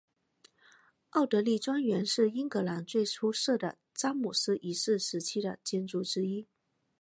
奥德莉庄园是英格兰最出色的詹姆斯一世时期建筑之一。